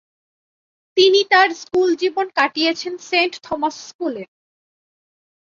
তিনি তার স্কুল জীবন কাটিয়েছেন সেন্ট থমাস স্কুলে।